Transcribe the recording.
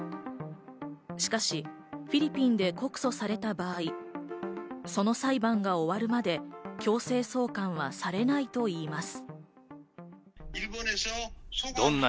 しかし、フィリピンで告訴された場合、その裁判が終わるまで強制送還はされないといいます。